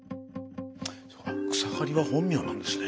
「草刈」は本名なんですね。